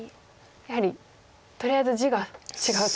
やはりとりあえず地が違うと。